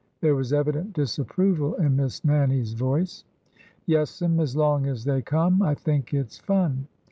'' There was evident disapproval in Miss Nannie's voice. '' Yes'm. As long as they come. I think it 's fun."